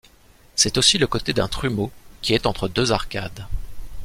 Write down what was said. C'est aussi le côté d'un trumeau qui est entre deux arcades.